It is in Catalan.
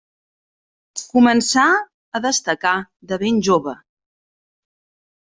Començà a destacar de ben jove.